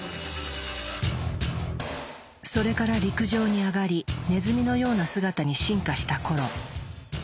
それから陸上に上がりネズミのような姿に進化した頃。